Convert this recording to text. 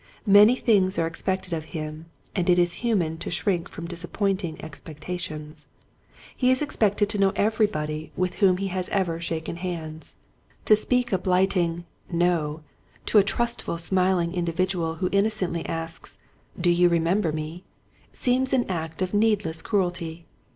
Many things are ex pected of him and it is human to shrink from disappointing expectations. He is expected to know everybody with whom Dishonesty. 1 1 1 he has ever shaken hands. To speak a bHghting, "No," to a trustful, smiUng in dividual who innocently asks, " Do you remember me ?" seems an act of needless cruelty.